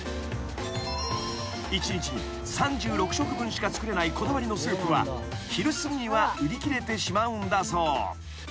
［１日に３６食分しか作れないこだわりのスープは昼すぎには売り切れてしまうんだそう］